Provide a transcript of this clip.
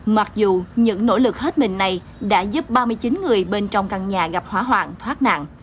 mặc dù những nỗ lực hết mình này đã giúp ba mươi chín người bên trong căn nhà gặp hỏa hoạn thoát nạn